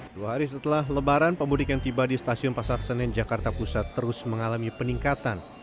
dua hari setelah lebaran pemudik yang tiba di stasiun pasar senen jakarta pusat terus mengalami peningkatan